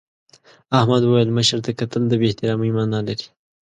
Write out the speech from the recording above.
احمد وویل مشر ته کتل د بې احترامۍ مانا لري.